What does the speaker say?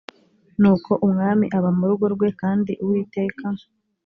nuko umwami aba mu rugo rwe kandi uwiteka